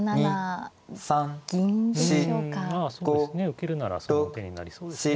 受けるならその手になりそうですね。